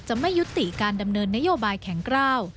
ไม่ยุติการดำเนินนโยบายแข็งกล้าว